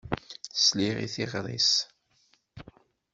Sliɣ i teɣṛi-s.